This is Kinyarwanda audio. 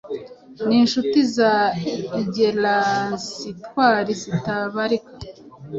Ninshuti za Higelacnintwari zitabarika